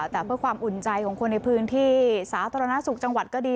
แต่เพื่อความอุ่นใจของคนในพื้นที่สาธารณสุขจังหวัดก็ดี